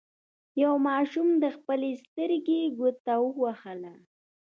یوه ماشوم د خپلې سترګې ګوته ووهله.